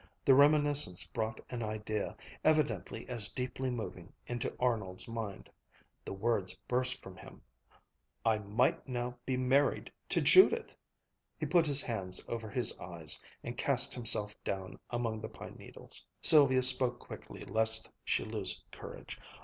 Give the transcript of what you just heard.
The reminiscence brought an idea, evidently as deeply moving, into Arnold's mind. The words burst from him, "I might now be married to Judith!" He put his hands over his eyes and cast himself down among the pine needles. Sylvia spoke quickly lest she lose courage.